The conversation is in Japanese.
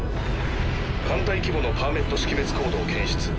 艦隊規模のパーメット識別コードを検出。